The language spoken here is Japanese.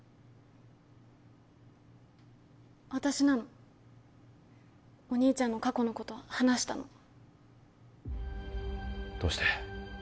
私なのお兄ちゃんの過去のこと話したのどうして？